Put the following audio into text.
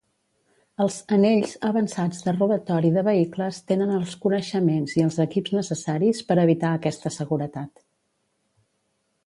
Els "anells" avançats de robatori de vehicles tenen els coneixements i els equips necessaris per evitar aquesta seguretat.